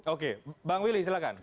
oke bang willy silahkan